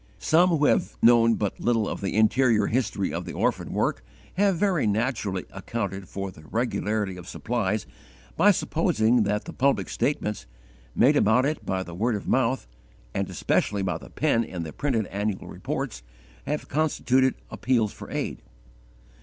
Some who have known but little of the interior history of the orphan work have very naturally accounted for the regularity of supplies by supposing that the public statements, made about it by word of mouth, and especially by the pen in the printed annual reports, have constituted _appeals for aid.